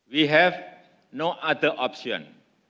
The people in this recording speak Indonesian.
kita tidak memiliki opsi lain